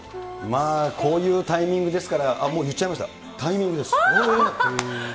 まあ、こういうタイミングですから、もう、言っちゃいました、タイミングです。